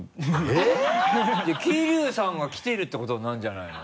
えっ？じゃあ桐生さんが来てるってことになるんじゃないの？